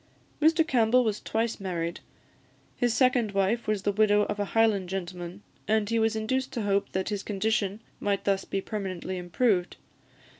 Mr Campbell was twice married; his second wife was the widow of a Highland gentleman, and he was induced to hope that his condition might thus be permanently improved.